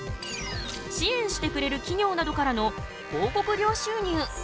支援してくれる企業などからの広告料収入。